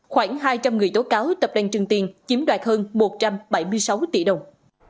khoảng hai trăm linh người tố cáo tập đoàn trường tiền chiếm đoạt hơn một trăm bảy mươi sáu tỷ đồng